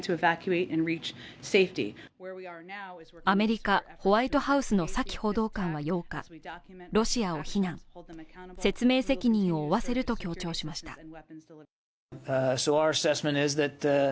アメリカ、ホワイトハウスのサキ報道官は８日、ロシアを非難、説明責任を負わせると強調しました。